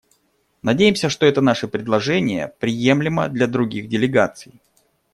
Надеемся, что это наше предложение приемлемо для других делегаций.